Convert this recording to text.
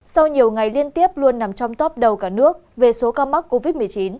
sau nhiều ngày liên tiếp luôn nằm trong top đầu cả nước về số ca mắc covid một mươi chín